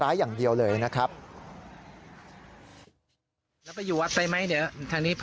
พระขู่คนที่เข้าไปคุยกับพระรูปนี้